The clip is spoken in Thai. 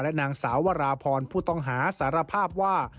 นางสาววราพรผู้ต้องหาสารภาพว่า